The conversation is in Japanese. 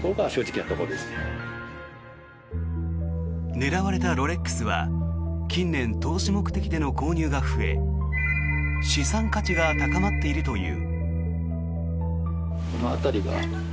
狙われたロレックスは近年、投資目的での購入が増え資産価値が高まっているという。